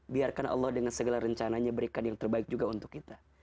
biarkan allah dengan segala rencananya berikan yang terbaik juga untuk kita